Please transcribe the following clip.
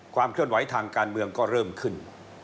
ความเคลื่อนไหวทางการเมืองก็เริ่มขึ้น